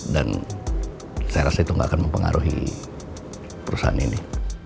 dan saya rasa itu gak akan mempengaruhi perusahaan ini